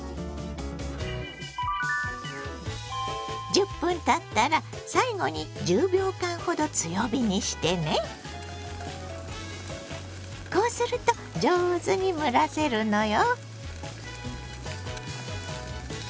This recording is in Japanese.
１０分たったらこうすると上手に蒸らせるのよ。